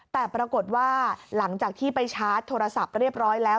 แต่ปรากฏว่าหลังจากที่ไปชาร์จโทรศัพท์เรียบร้อยแล้ว